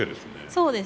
そうですね。